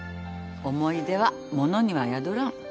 思い出は物には宿らん。